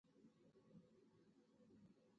ایا زما زړه به ښه شي؟